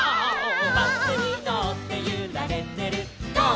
「バスにのってゆられてるゴー！